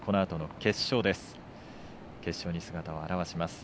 決勝に姿を現します。